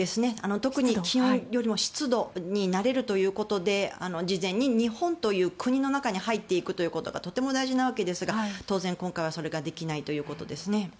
特に気温よりも湿度に慣れるということで事前に日本という国の中に入っていくことがとても大事なわけですが当然今回はそれができないということです。